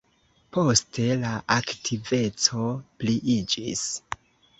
Poste la aktiveco pliiĝis.